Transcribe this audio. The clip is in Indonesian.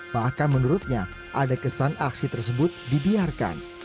bahkan menurutnya ada kesan aksi tersebut dibiarkan